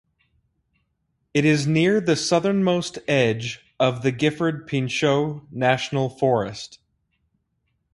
It is near the southernmost edge of the Gifford Pinchot National Forest.